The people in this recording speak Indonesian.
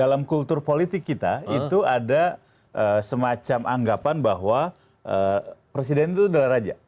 dalam kultur politik kita itu ada semacam anggapan bahwa presiden itu adalah raja